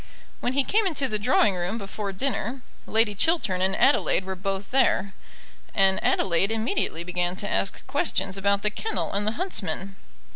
When he came into the drawing room before dinner, Lady Chiltern and Adelaide were both there, and Adelaide immediately began to ask questions about the kennel and the huntsmen.